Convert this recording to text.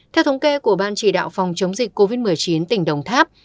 theo thống kê của ban chỉ đạo phòng chống dịch covid một mươi chín tỉnh đồng tháp